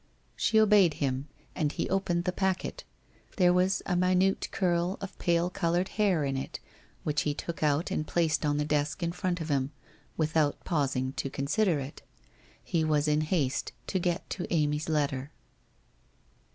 She obeyed him, and he opened the packet. There was a minute curl of pale coloured hair in it which he took out and placed on the desk in front of him, without paus ing to consider it. He was in haste to get to Amy's letter.